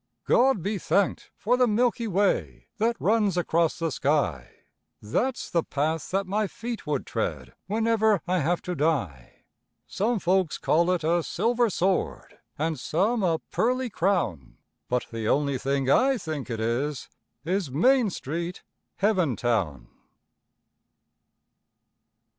God be thanked for the Milky Way that runs across the sky, That's the path that my feet would tread whenever I have to die. Some folks call it a Silver Sword, and some a Pearly Crown, But the only thing I think it is, is Main Street, Heaventown.